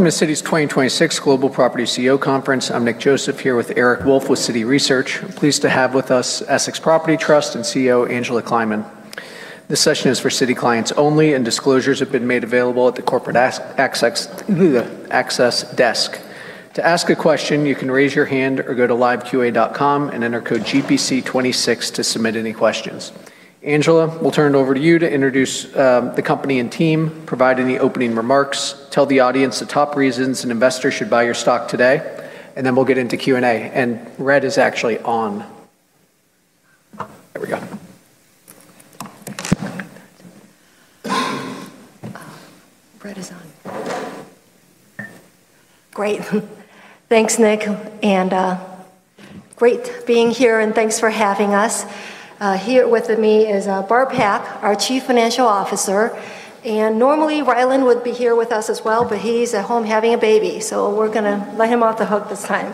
Welcome to Citi's 2026 Global Property CEO Conference. I'm Nick Joseph here with Eric Wolfe with Citi Research. I'm pleased to have with us Essex Property Trust and CEO Angela Kleiman. This session is for Citi clients only. Disclosures have been made available at the corporate access desk. To ask a question, you can raise your hand or go to LiveQA.com and enter code GPC26 to submit any questions. Angela, we'll turn it over to you to introduce the company and team, provide any opening remarks, tell the audience the top reasons an investor should buy your stock today, and then we'll get into Q&A. Red is actually on. There we go. Red is on. Great. Thanks, Nick, great being here, and thanks for having us. Here with me is Barb M. Pak, our Chief Financial Officer. Normally, Rylan would be here with us as well, but he's at home having a baby. We're gonna let him off the hook this time.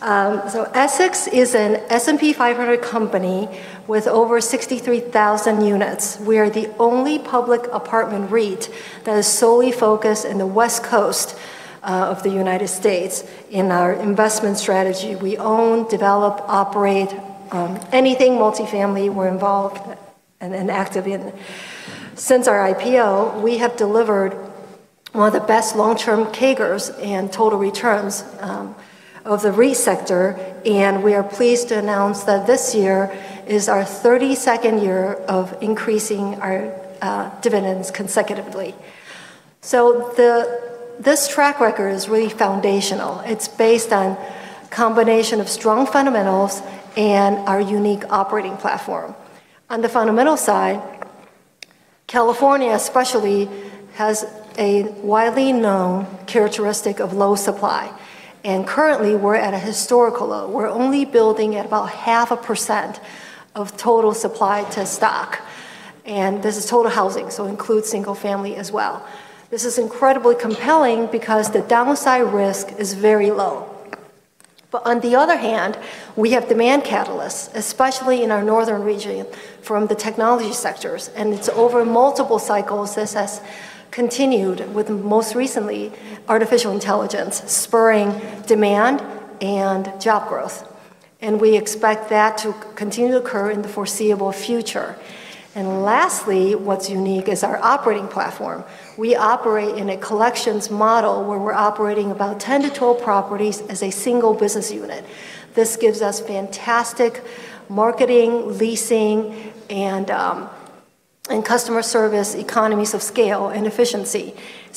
Essex is an S&P 500 company with over 63,000 units. We are the only public apartment REIT that is solely focused in the West Coast of the United States. In our investment strategy, we own, develop, operate, anything multifamily, we're involved and active in. Since our IPO, we have delivered one of the best long-term CAGRs and total returns of the REIT sector, we are pleased to announce that this year is our 32nd year of increasing our dividends consecutively. This track record is really foundational. It's based on ,combination of strong fundamentals and our unique operating platform. On the fundamental side, California especially has a widely known characteristic of low supply, and currently we're at a historical low. We're only building at about 0.5% of total supply to stock, and this is total housing, so includes single-family as well. This is incredibly compelling because the downside risk is very low. On the other hand, we have demand catalysts, especially in our northern region, from the technology sectors, and it's over multiple cycles this has continued, with most recently artificial intelligence spurring demand and job growth. We expect that to continue to occur in the foreseeable future. Lastly, what's unique is our operating platform. We operate in a collections model where we're operating about 10 to 12 properties as a single business unit. This gives us fantastic marketing, leasing, and customer service economies of scale and efficiency.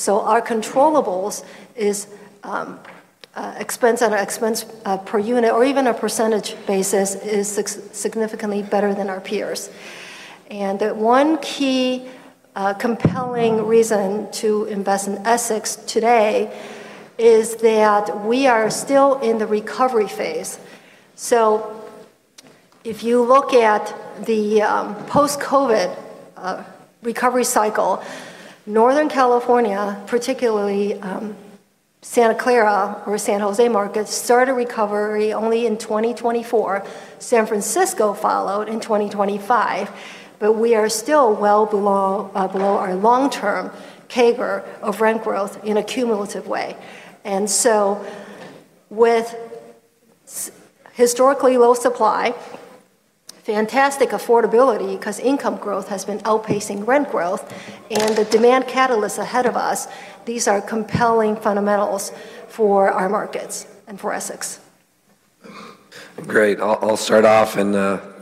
Our controllables is expense on our expense per unit or even a percentage basis is significantly better than our peers. One key compelling reason to invest in Essex today is that we are still in the recovery phase. If you look at the post-COVID recovery cycle, Northern California, particularly Santa Clara or San Jose markets, started recovery only in 2024. San Francisco followed in 2025. We are still well below our long-term CAGR of rent growth in a cumulative way. With historically low supply, fantastic affordability, 'cause income growth has been outpacing rent growth, and the demand catalyst ahead of us, these are compelling fundamentals for our markets and for Essex. Great. I'll start off,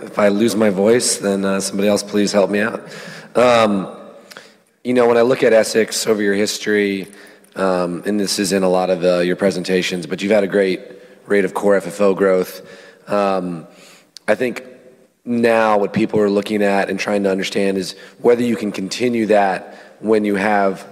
if I lose my voice, then somebody else please help me out. You know, when I look at Essex over your history, this is in a lot of your presentations, you've had a great rate of Core FFO growth. I think now what people are looking at and trying to understand is whether you can continue that when you have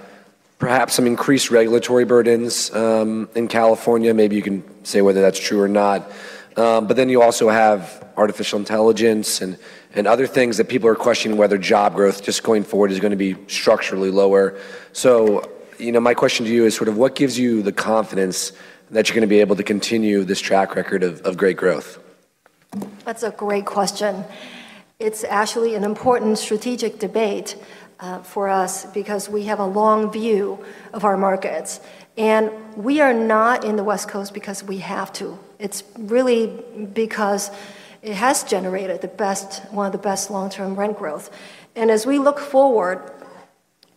perhaps some increased regulatory burdens in California. Maybe you can say whether that's true or not. You also have artificial intelligence and other things that people are questioning whether job growth just going forward is gonna be structurally lower. You know, my question to you is sort of what gives you the confidence that you're gonna be able to continue this track record of great growth? That's a great question. It's actually an important strategic debate for us because we have a long view of our markets. We are not in the West Coast because we have to. It's really because it has generated one of the best long-term rent growth. As we look forward,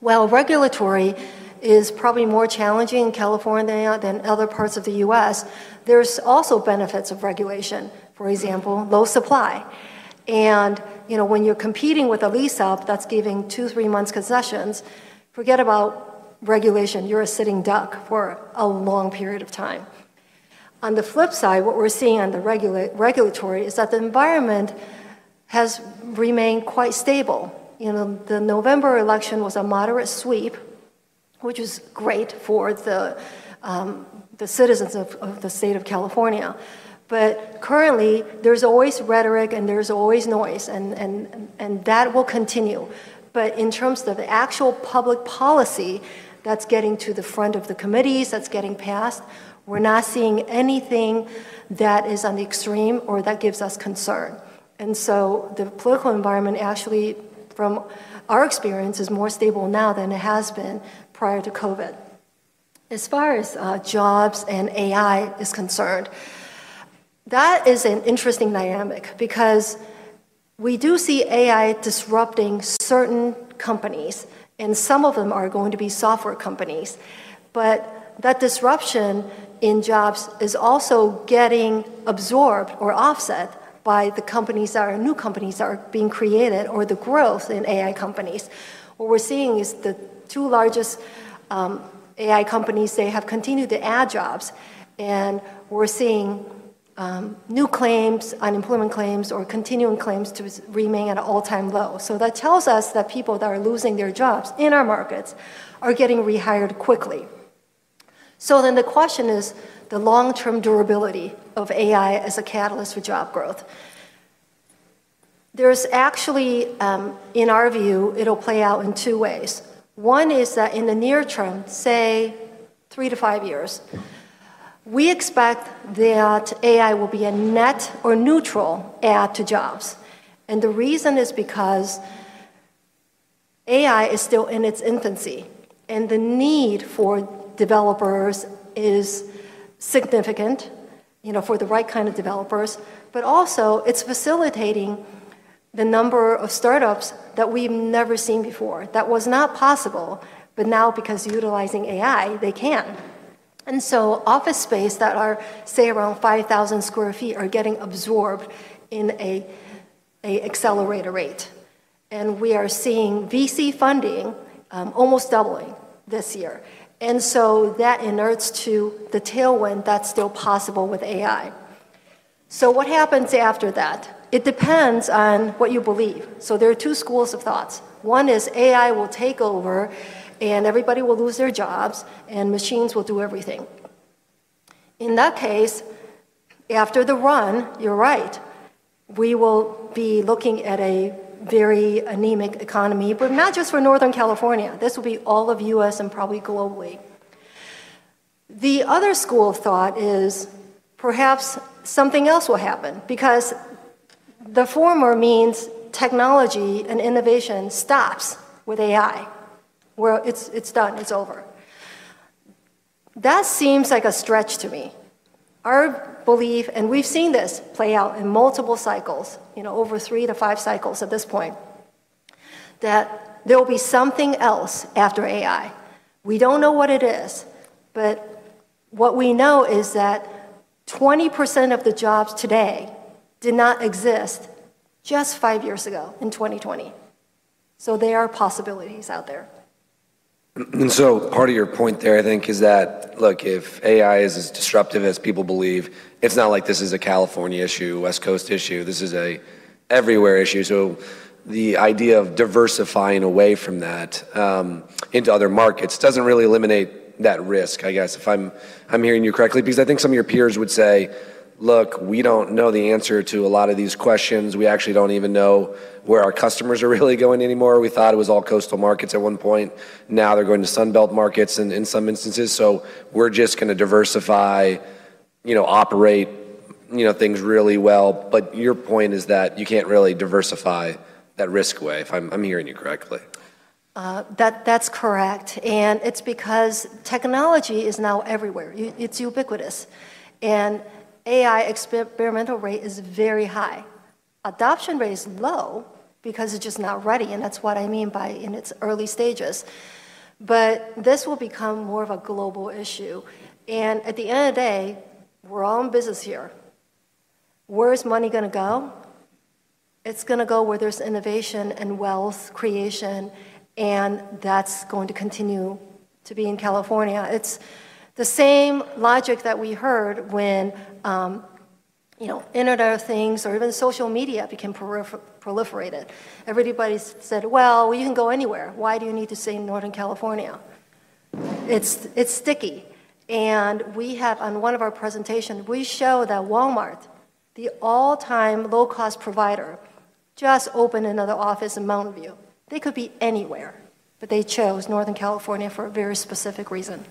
while regulatory is probably more challenging in California than other parts of the U.S., there are also benefits of regulation. For example, low supply. You know, when you're competing with a lease-up that's giving two to three months' concessions, forget about regulation. You're a sitting duck for a long period of time. On the flip side, what we're seeing on the regulatory is that the environment has remained quite stable. You know, the November election was a moderate sweep, which is great for the citizens of the state of California. Currently, there's always rhetoric, and there's always noise, and that will continue. In terms of the actual public policy that's getting to the front of the committees, that's getting passed, we're not seeing anything that is on the extreme or that gives us concern. The political environment actually, from our experience, is more stable now than it has been prior to COVID. As far as jobs and AI is concerned. That is an interesting dynamic because we do see AI disrupting certain companies, and some of them are going to be software companies. That disruption in jobs is also getting absorbed or offset by the companies that are new companies that are being created or the growth in AI companies. What we're seeing is the two largest AI companies, they have continued to add jobs, and we're seeing new claims, unemployment claims, or continuing claims to remain at an all-time low. That tells us that people that are losing their jobs in our markets are getting rehired quickly. The question is the long-term durability of AI as a catalyst for job growth. There's actually, in our view, it'll play out in two ways. One is that in the near term, say three-five years, we expect that AI will be a net or neutral add to jobs. The reason is because AI is still in its infancy, and the need for developers is significant, you know, for the right kind of developers. Also, it's facilitating the number of startups that we've never seen before. That was not possible, but now because utilizing AI, they can. Office space that are, say, around 5,000 sq ft are getting absorbed in an accelerated rate. We are seeing VC funding almost doubling this year. That inures to the tailwind that's still possible with AI. What happens after that? It depends on what you believe. There are two schools of thoughts. One is AI will take over, and everybody will lose their jobs, and machines will do everything. In that case, after the run, you're right, we will be looking at a very anemic economy, but not just for Northern California. This will be all of U.S. and probably globally. The other school of thought is perhaps something else will happen because the former means technology and innovation stops with AI, where it's done, it's over. That seems like a stretch to me. Our belief, and we've seen this play out in multiple cycles, you know, over three to five cycles at this point, that there will be something else after AI. We don't know what it is, but what we know is that 20% of the jobs today did not exist just five years ago in 2020. There are possibilities out there. Part of your point there, I think, is that, look, if AI is as disruptive as people believe, it's not like this is a California issue, West Coast issue. This is a everywhere issue. The idea of diversifying away from that into other markets doesn't really eliminate that risk, I guess, if I'm hearing you correctly. Because I think some of your peers would say, "Look, we don't know the answer to a lot of these questions. We actually don't even know where our customers are really going anymore. We thought it was all coastal markets at one point. Now they're going to Sun Belt markets in some instances. We're just gonna diversify, you know, operate, you know, things really well." Your point is that you can't really diversify that risk away, if I'm hearing you correctly. That's correct. It's because technology is now everywhere. It's ubiquitous. AI experimental rate is very high. Adoption rate is low because it's just not ready, and that's what I mean by in its early stages. This will become more of a global issue. At the end of the day, we're all in business here. Where is money gonna go? It's gonna go where there's innovation and wealth creation, and that's going to continue to be in California. It's the same logic that we heard when, you know, Internet of Things or even social media became proliferated. Everybody said, "Well, you can go anywhere. Why do you need to stay in Northern California?" It's sticky. We have on one of our presentation, we show that Walmart, the all-time low-cost provider, just opened another office in Mountain View. They could be anywhere, but they chose Northern California for a very specific reason.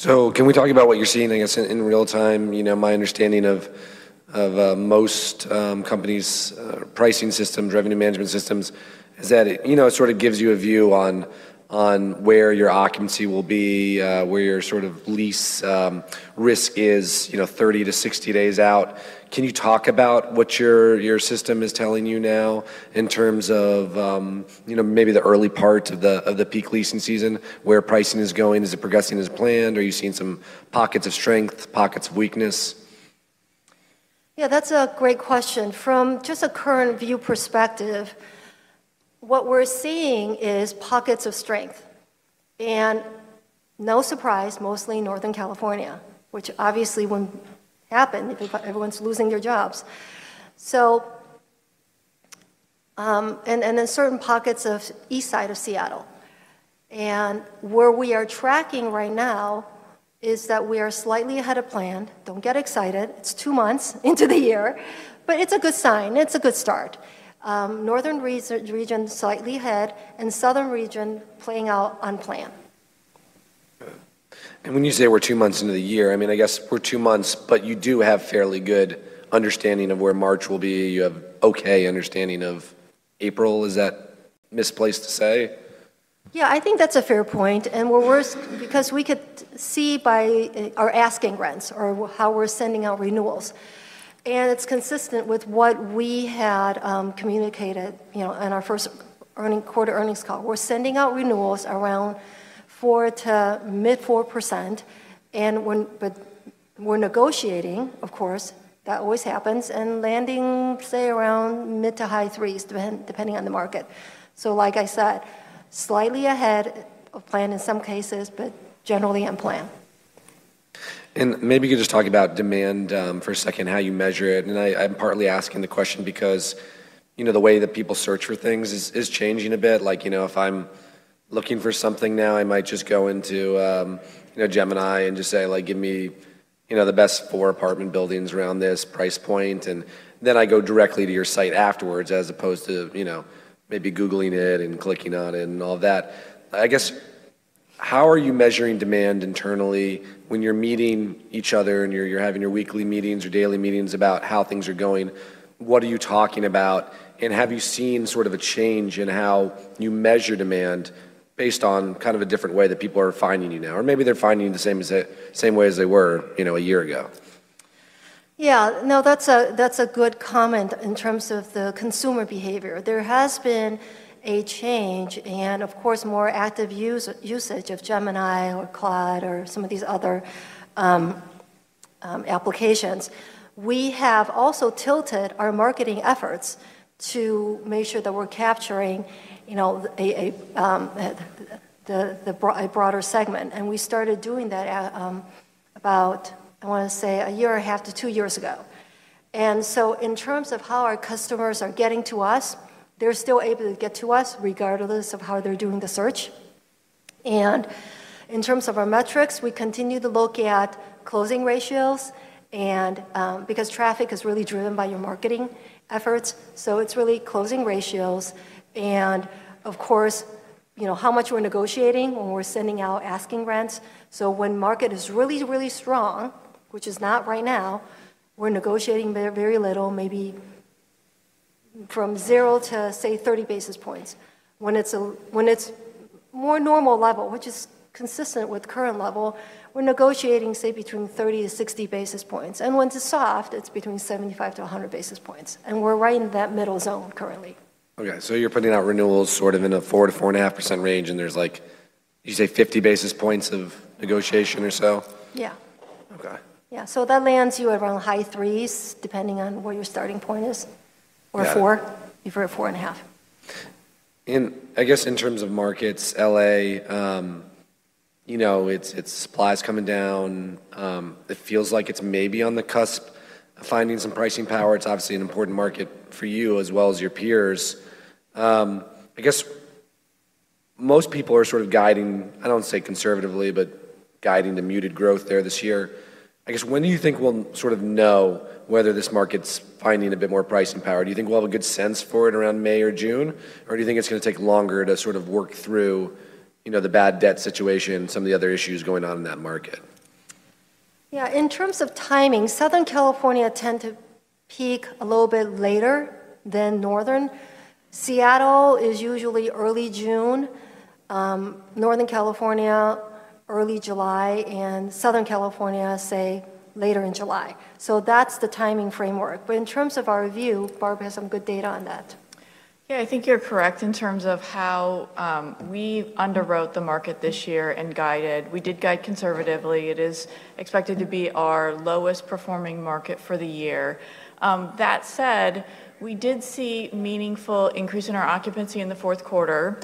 Can we talk about what you're seeing, I guess, in real time? You know, my understanding of most companies' pricing system, revenue management systems is that, you know, it sort of gives you a view on where your occupancy will be, where your sort of lease risk is, you know, 30 to 60 days out. Can you talk about what your system is telling you now in terms of, you know, maybe the early part of the peak leasing season, where pricing is going? Is it progressing as planned? Are you seeing some pockets of strength, pockets of weakness? That's a great question. From just a current view perspective, what we're seeing is pockets of strength, and no surprise, mostly in Northern California, which obviously wouldn't happen if everyone's losing their jobs. In certain pockets of east side of Seattle. Where we are tracking right now is that we are slightly ahead of plan. Don't get excited. It's two months into the year, but it's a good sign. It's a good start. Northern region slightly ahead, and southern region playing out on plan. When you say we're two months into the year, I mean, I guess we're two months, but you do have fairly good understanding of where March will be. You have okay understanding of April. Is that misplaced to say? Yeah, I think that's a fair point, and we're worse because we could see by our asking rents or how we're sending out renewals. It's consistent with what we had communicated, you know, in our First Quarter Earnings Call. We're sending out renewals around 4%-mid 4%, but we're negotiating, of course, that always happens, and landing, say, around mid-to-high 3s, depending on the market. Like I said, slightly ahead of plan in some cases, but generally on plan. Maybe you could just talk about demand, for a second, how you measure it? I'm partly asking the question because, you know, the way that people search for things is changing a bit. Like, you know, if I'm looking for something now, I might just go into, you know, Gemini and just say like, "Give me, you know, the best four apartment buildings around this price point." Then I go directly to your site afterwards as opposed to, you know, maybe googling it and clicking on it and all that. I guess, how are you measuring demand internally when you're meeting each other and you're having your weekly meetings or daily meetings about how things are going? What are you talking about? Have you seen sort of a change in how you measure demand based on kind of a different way that people are finding you now? Maybe they're finding the same way as they were, you know, a year ago. Yeah. No, that's a, that's a good comment in terms of the consumer behavior. There has been a change and, of course, more active usage of Gemini or Claude or some of these other applications. We have also tilted our marketing efforts to make sure that we're capturing, you know, a broader segment. We started doing that at about, I wanna say, a year and a half to two years ago. In terms of how our customers are getting to us, they're still able to get to us regardless of how they're doing the search. In terms of our metrics, we continue to look at closing ratios and because traffic is really driven by your marketing efforts. It's really closing ratios and, of course, you know, how much we're negotiating when we're sending out asking rents. When market is really, really strong, which is not right now, we're negotiating very, very little, maybe from 0 to, say, 30 basis points. When it's more normal level, which is consistent with current level, we're negotiating, say, between 30-60 basis points. When it's soft, it's between 75-100 basis points. We're right in that middle zone currently. Okay. You're putting out renewals sort of in a 4% to 4.5% range, and there's like, did you say 50 basis points of negotiation or so? Yeah. Okay. Yeah. That lands you around high threes, depending on where your starting point is. Got it. Four if you're at four and half. I guess in terms of markets, L.A., you know, it's supply's coming down. It feels like it's maybe on the cusp of finding some pricing power. It's obviously an important market for you as well as your peers. I guess most people are sort of guiding, I don't want to say conservatively, but guiding to muted growth there this year. I guess, when do you think we'll sort of know whether this market's finding a bit more pricing power? Do you think we'll have a good sense for it around May or June? Do you think it's gonna take longer to sort of work through, you know, the bad debt situation and some of the other issues going on in that market? Yeah. In terms of timing, Southern California tend to peak a little bit later than Northern. Seattle is usually early June, Northern California early July, and Southern California, say, later in July. That's the timing framework. In terms of our view, Barbara has some good data on that. Yeah. I think you're correct in terms of how we underwrote the market this year and guided. We did guide conservatively. It is expected to be our lowest performing market for the year. That said, we did see meaningful increase in our occupancy in the fourth quarter.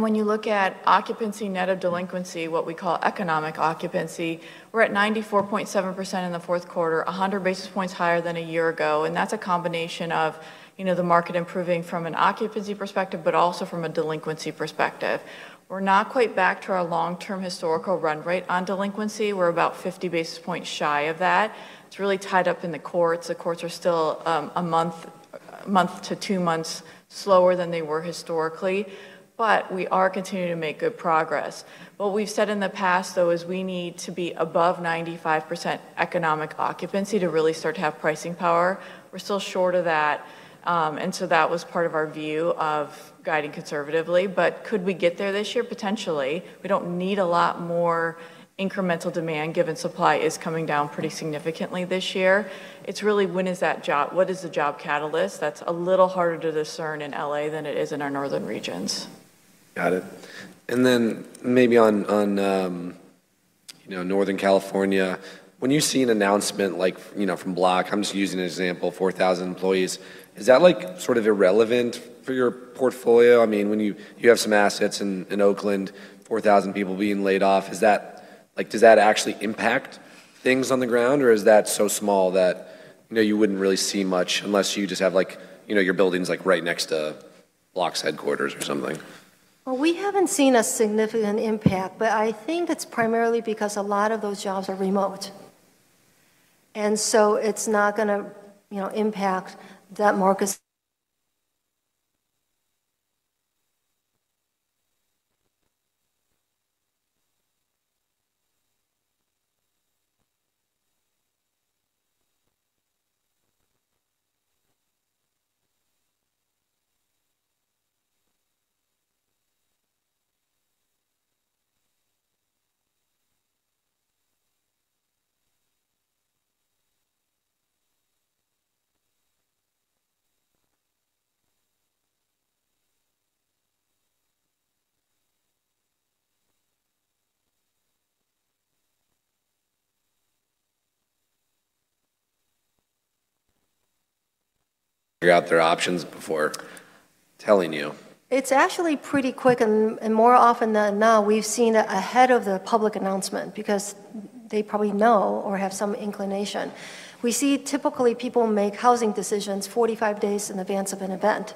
When you look at occupancy net of delinquency, what we call economic occupancy, we're at 94.7% in the fourth quarter, 100 basis points higher than a year ago. That's a combination of, you know, the market improving from an occupancy perspective, but also from a delinquency perspective. We're not quite back to our long-term historical run rate on delinquency. We're about 50 basis points shy of that. It's really tied up in the courts. The courts are still a month to two months slower than they were historically. We are continuing to make good progress. What we've said in the past, though, is we need to be above 95% economic occupancy to really start to have pricing power. We're still short of that. That was part of our view of guiding conservatively. Could we get there this year? Potentially. We don't need a lot more incremental demand given supply is coming down pretty significantly this year. It's really what is the job catalyst? That's a little harder to discern in L.A. than it is in our northern regions. Got it. Then maybe on, you know, Northern California, when you see an announcement like, you know, from Block, I'm just using an example, 4,000 employees, is that like sort of irrelevant for your portfolio? I mean, when you have some assets in Oakland, 4,000 people being laid off, like, does that actually impact things on the ground? Or is that so small that, you know, you wouldn't really see much unless you just have like, you know, your building's like right next to Block's headquarters or something? We haven't seen a significant impact, but I think that's primarily because a lot of those jobs are remote. It's not gonna, you know, impact that market's. Figure out their options before telling you. It's actually pretty quick and more often than not, we've seen it ahead of the public announcement because they probably know or have some inclination. We see typically people make housing decisions 45 days in advance of an event.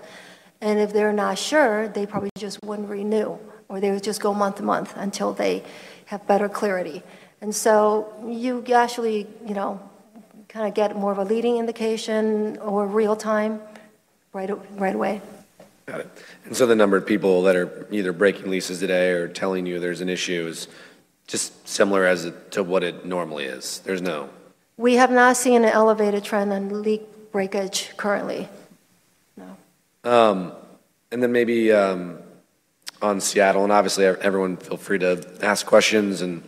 If they're not sure, they probably just wouldn't renew, or they would just go month to month until they have better clarity. You actually, you know, kind of get more of a leading indication or real time right away. Got it. The number of people that are either breaking leases today or telling you there's an issue is just similar to what it normally is. There's no. We have not seen an elevated trend on lease breakage currently. No. Then maybe, on Seattle, and obviously everyone feel free to ask questions and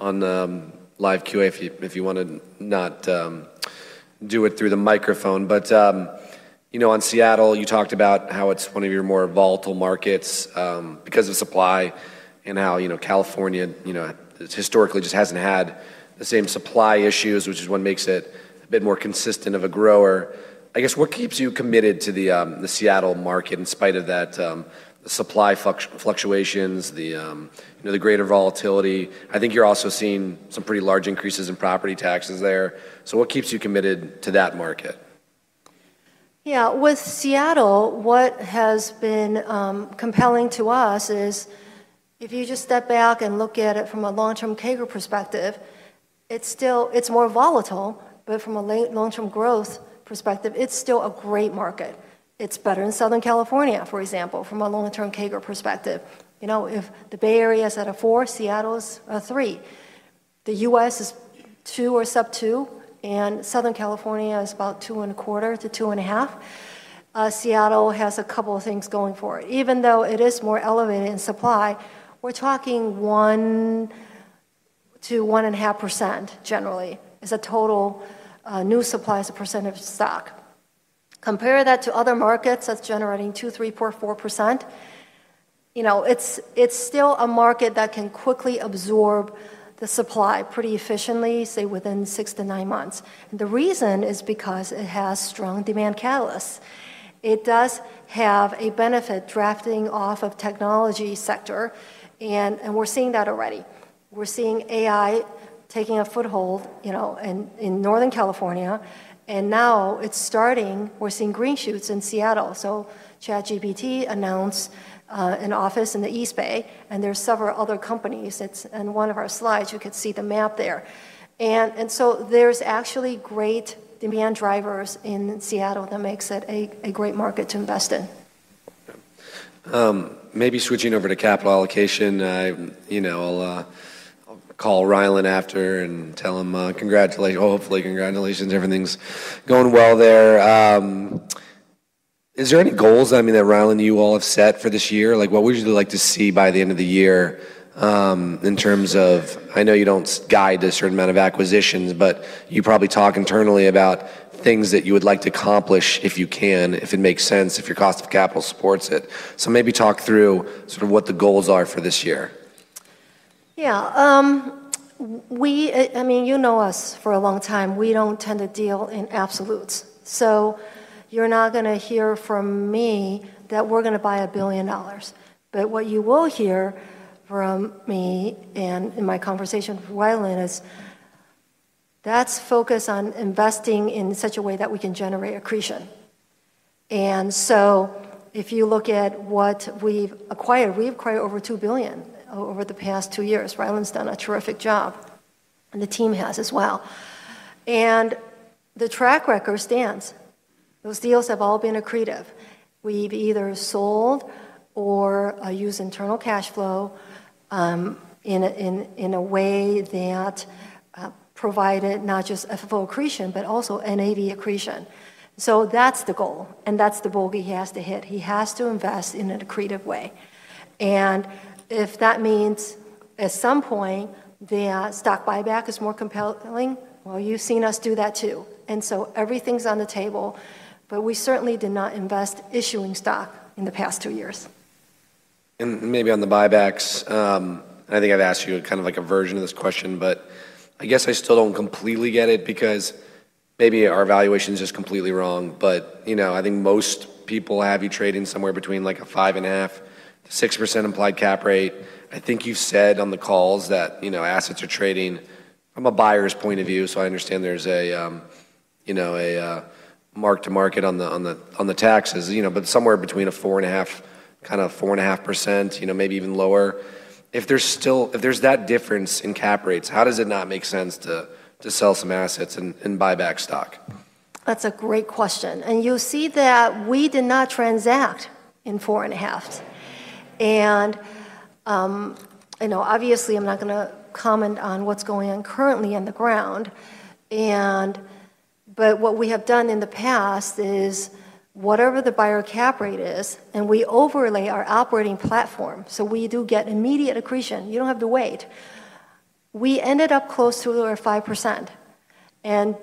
on the live QA if you, if you wanna not do it through the microphone. You know, on Seattle, you talked about how it's one of your more volatile markets because of supply and how, you know, California, you know, historically just hasn't had the same supply issues, which is what makes it a bit more consistent of a grower. I guess, what keeps you committed to the Seattle market in spite of that supply fluctuations, the, you know, the greater volatility? I think you're also seeing some pretty large increases in property taxes there. What keeps you committed to that market? With Seattle, what has been compelling to us is if you just step back and look at it from a long-term CAGR perspective, it's more volatile, but from a long-term growth perspective, it's still a great market. It's better in Southern California, for example, from a longer-term CAGR perspective. If the Bay Area is at a four, Seattle is a three. The U.S. is two or sub two, and Southern California is about 2.25-2.5. Seattle has a couple of things going for it. Even though it is more elevated in supply, we're talking 1%-1.5% generally is a total new supply as a percent of stock. Compare that to other markets that's generating 2%, 3.4%. You know, it's still a market that can quickly absorb the supply pretty efficiently, say, within 6 to 9 months. The reason is because it has strong demand catalysts. It does have a benefit drafting off of technology sector, and we're seeing that already. We're seeing AI taking a foothold, you know, in Northern California. Now it's starting. We're seeing green shoots in Seattle. ChatGPT announced an office in the East Bay. There are several other companies. It's in one of our slides. You could see the map there. There's actually great demand drivers in Seattle that makes it a great market to invest in. Okay. Maybe switching over to capital allocation. I, you know, I'll call Rylan after and tell him, hopefully, congratulations, everything's going well there. Is there any goals, I mean, that Rylan and you all have set for this year? Like, what would you like to see by the end of the year, in terms of... I know you don't guide a certain amount of acquisitions, but you probably talk internally about things that you would like to accomplish if you can, if it makes sense, if your cost of capital supports it. Maybe talk through sort of what the goals are for this year. Yeah. I mean, you know us for a long time. We don't tend to deal in absolutes. You're not gonna hear from me that we're gonna buy $1 billion. What you will hear from me and in my conversation with Rylan is that's focused on investing in such a way that we can generate accretion. If you look at what we've acquired, we've acquired over $2 billion over the past 2 years. Rylan's done a terrific job, and the team has as well. The track record stands. Those deals have all been accretive. We've either sold or used internal cash flow in a way that provided not just FFO accretion, but also NAV accretion. That's the goal, and that's the goal he has to hit. He has to invest in an accretive way. If that means at some point that stock buyback is more compelling, well, you've seen us do that too. Everything's on the table, but we certainly did not invest issuing stock in the past two years. Maybe on the buybacks, I think I've asked you kind of like a version of this question, but I guess I still don't completely get it because maybe our valuation is just completely wrong. You know, I think most people have you trading somewhere between, like, a 5.5% to 6% implied cap rate. I think you've said on the calls that, you know, assets are trading from a buyer's point of view, so I understand there's a, you know, a mark to market on the taxes. You know, somewhere between a 4.5%, kind of 4.5%, you know, maybe even lower. If there's that difference in cap rates, how does it not make sense to sell some assets and buy back stock? That's a great question. You'll see that we did not transact in 4.5%. You know, obviously I'm not gonna comment on what's going on currently on the ground. What we have done in the past is whatever the buyer cap rate is, and we overlay our operating platform, so we do get immediate accretion. You don't have to wait. We ended up close to over 5%.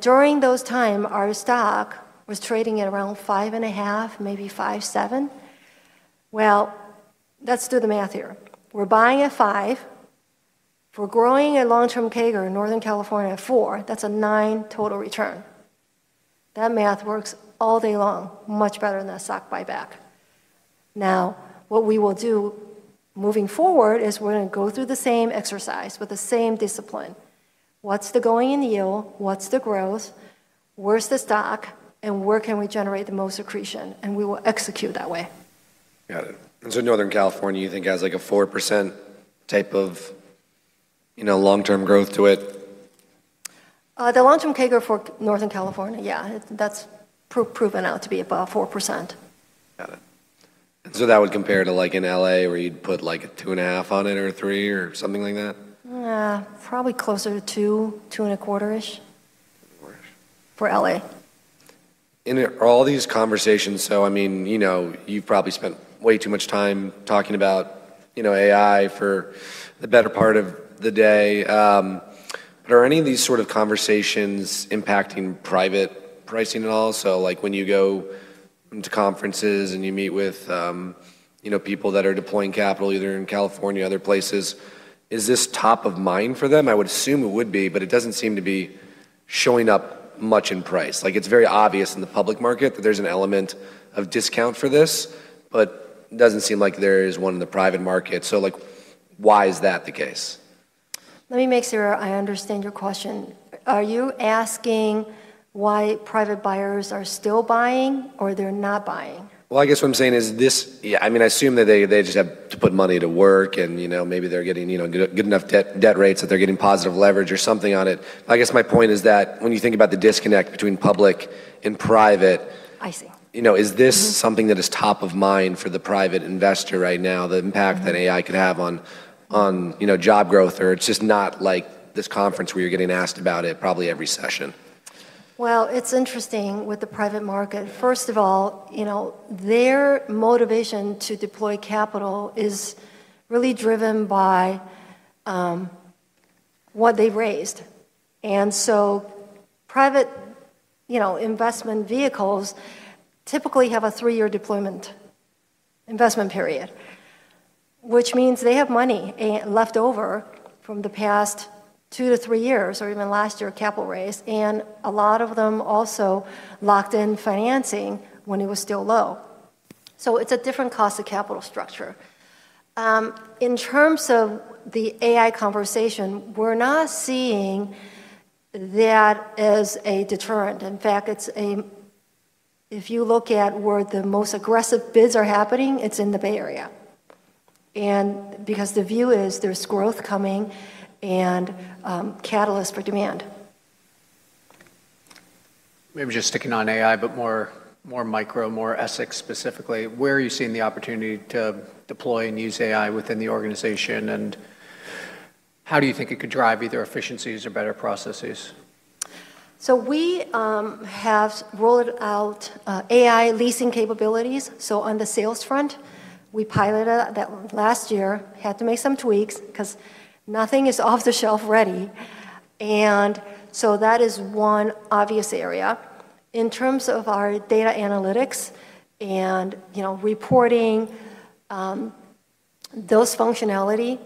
During those time, our stock was trading at around 5.5%, maybe 5.7%. Well, let's do the math here. We're buying at 5%. If we're growing a long-term CAGR in Northern California at 4%, that's a 9% total return. That math works all day long, much better than a stock buyback. What we will do moving forward is we're gonna go through the same exercise with the same discipline. What's the going in yield? What's the growth? Where's the stock? Where can we generate the most accretion? We will execute that way. Got it. Northern California you think has, like, a 4% type of, you know, long-term growth to it? The long-term CAGR for Northern California, yeah, that's proven out to be about 4%. Got it. that would compare to, like, in L.A., where you'd put, like, a two and half on it or three or something like that? probably closer to two and a quarter-ish. Quarter-ish. For L.A. In all these conversations, I mean, you know, you've probably spent way too much time talking about, you know, AI for the better part of the day, are any of these sort of conversations impacting private pricing at all? Like, when you go to conferences, and you meet with, you know, people that are deploying capital either in California or other places, is this top of mind for them? I would assume it would be, it doesn't seem to be showing up much in price. Like, it's very obvious in the public market that there's an element of discount for this, it doesn't seem like there is one in the private market. Like, why is that the case? Let me make sure I understand your question. Are you asking why private buyers are still buying or they're not buying? Well, I guess what I'm saying is this. Yeah, I mean, I assume that they just have to put money to work and, you know, maybe they're getting, you know, good enough debt rates that they're getting positive leverage or something on it. I guess my point is that when you think about the disconnect between public and private. I see. You know, is this something that is top of mind for the private investor right now, the impact that AI could have on, you know, job growth, or it's just not like this conference where you're getting asked about it probably every session? It's interesting with the private market. First of all, you know, their motivation to deploy capital is really driven by what they've raised. Private, you know, investment vehicles typically have a three-year deployment investment period, which means they have money left over from the past two-three years or even last year capital raise, and a lot of them also locked in financing when it was still low. It's a different cost of capital structure. In terms of the AI conversation, we're not seeing that as a deterrent. In fact, if you look at where the most aggressive bids are happening, it's in the Bay Area. The view is there's growth coming and catalyst for demand. Maybe just sticking on AI, but more micro, more Essex specifically. Where are you seeing the opportunity to deploy and use AI within the organization, and how do you think it could drive either efficiencies or better processes? We have rolled out AI leasing capabilities. On the sales front, we piloted that last year. Had to make some tweaks 'cause nothing is off-the-shelf ready. That is one obvious area. In terms of our data analytics and, you know, reporting, those functionality,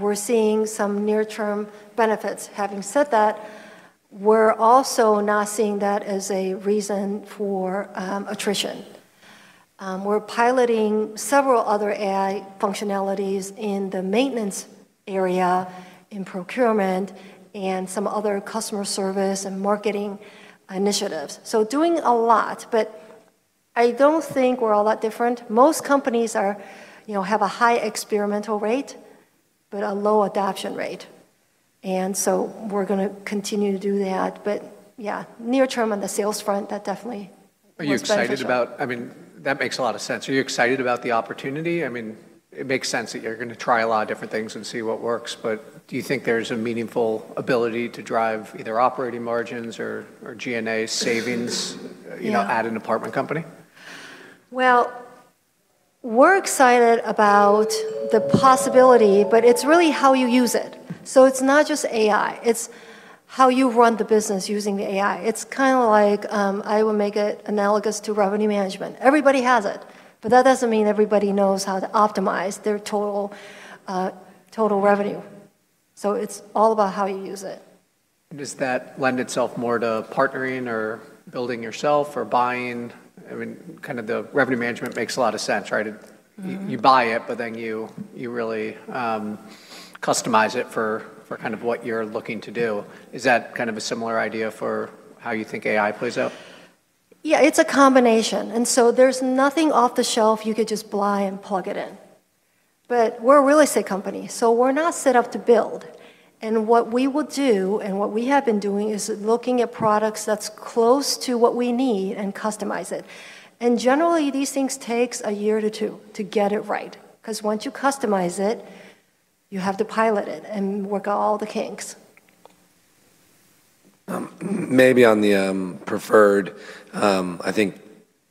we're seeing some near-term benefits. Having said that, we're also not seeing that as a reason for attrition. We're piloting several other AI functionalities in the maintenance area, in procurement, and some other customer service and marketing initiatives. Doing a lot, but I don't think we're all that different. Most companies are, you know, have a high experimental rate, but a low adoption rate. We're gonna continue to do that. Near term on the sales front, that definitely most beneficial. I mean, that makes a lot of sense. Are you excited about the opportunity? I mean, it makes sense that you're gonna try a lot of different things and see what works. Do you think there's a meaningful ability to drive either operating margins or G&A savings? Yeah. You know, at an apartment company? We're excited about the possibility, but it's really how you use it. It's not just AI. It's how you run the business using the AI. It's kind of like, I will make it analogous to revenue management. Everybody has it, but that doesn't mean everybody knows how to optimize their total revenue. It's all about how you use it. Does that lend itself more to partnering or building yourself or buying? I mean, kind of the revenue management makes a lot of sense, right? Mm-hmm. You buy it, you really customize it for kind of what you're looking to do. Is that kind of a similar idea for how you think AI plays out? Yeah, it's a combination. There's nothing off the shelf you could just buy and plug it in. We're a real estate company, so we're not set up to build. What we will do and what we have been doing is looking at products that's close to what we need and customize it. Generally, these things takes a year to two to get it right. Once you customize it, you have to pilot it and work out all the kinks. Maybe on the preferred, I think,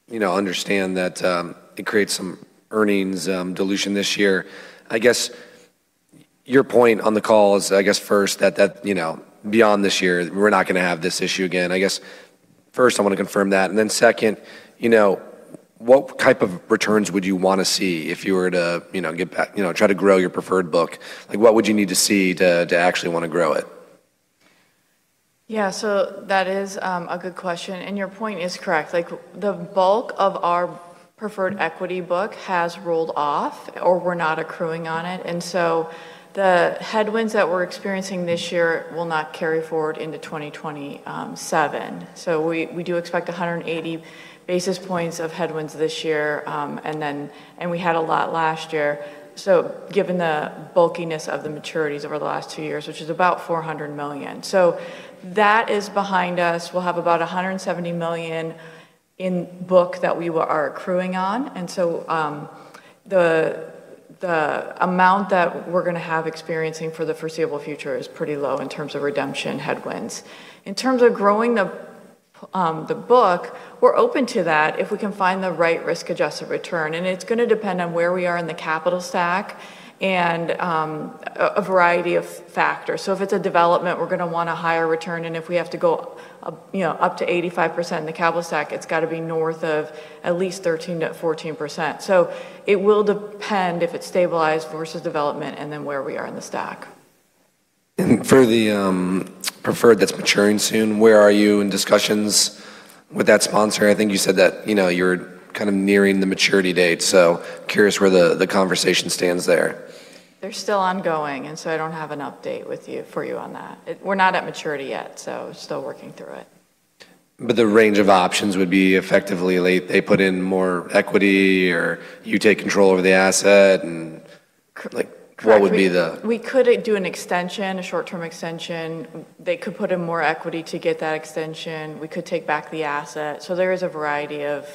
you know, understand that, it creates some earnings dilution this year. I guess your point on the call is, I guess first that, you know, beyond this year, we're not gonna have this issue again. I guess first I wanna confirm that, and then second, you know, what type of returns would you wanna see if you were to, you know, try to grow your preferred book? Like, what would you need to see to actually wanna grow it? Yeah. That is a good question, and your point is correct. Like, the bulk of our preferred equity book has rolled off, or we're not accruing on it. The headwinds that we're experiencing this year will not carry forward into 2027. We do expect 180 basis points of headwinds this year, and we had a lot last year, given the bulkiness of the maturities over the last two years, which is about $400 million. That is behind us. We'll have about $170 million in book that we are accruing on. The amount that we're gonna have experiencing for the foreseeable future is pretty low in terms of redemption headwinds. In terms of growing the book, we're open to that if we can find the right risk-adjusted return. It's gonna depend on where we are in the capital stack and a variety of factors. If it's a development, we're gonna want a higher return, and if we have to go up, you know, up to 85% in the capital stack, it's gotta be north of at least 13%-14%. It will depend if it's stabilized versus development and then where we are in the stack. For the preferred that's maturing soon, where are you in discussions with that sponsor? I think you said that, you know, you're kind of nearing the maturity date. Curious where the conversation stands there. They're still ongoing. I don't have an update for you on that. We're not at maturity yet, still working through it. The range of options would be effectively they put in more equity or you take control over the asset and like what would be the? We could do an extension, a short-term extension. They could put in more equity to get that extension. We could take back the asset. There is a variety of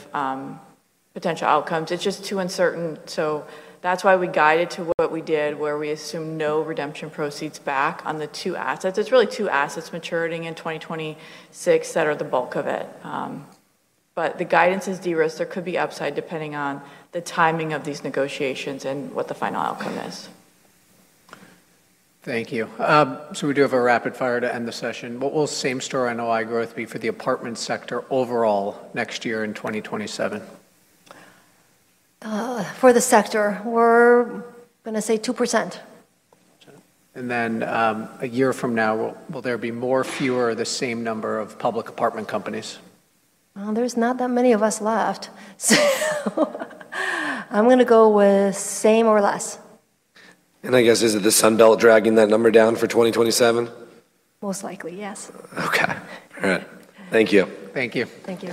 potential outcomes. It's just too uncertain, so that's why we guided to what we did, where we assumed no redemption proceeds back on the two assets. It's really two assets maturing in 2026 that are the bulk of it. The guidance is de-risk. There could be upside depending on the timing of these negotiations and what the final outcome is. Thank you. We do have a rapid fire to end the session. What will same store and OI growth be for the apartment sector overall next year in 2027? For the sector, we're going to say 2%. A year from now, will there be more, fewer, the same number of public apartment companies? Well, there's not that many of us left. I'm going to go with same or less. I guess is it the Sun Belt dragging that number down for 2027? Most likely, yes. Okay. All right. Thank you. Thank you. Thank you.